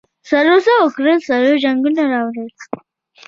سړو څه وکل سړو جنګونه راوړل.